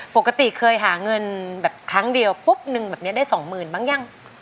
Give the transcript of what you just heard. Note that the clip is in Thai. ปกติเคยหาเงินแบบครั้งเดียวปุ๊บนึงแบบนี้ได้สองหมื่นบ้างยัง